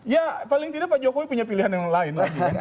ya paling tidak pak jkw punya pilihan yang lain